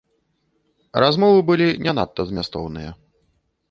Размовы былі не надта змястоўныя.